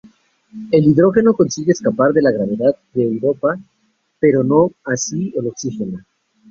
El hidrógeno consigue escapar de la gravedad de Europa, pero no así el oxígeno.